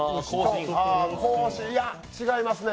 いや違いますね。